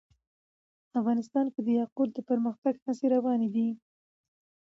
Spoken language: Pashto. افغانستان کې د یاقوت د پرمختګ هڅې روانې دي.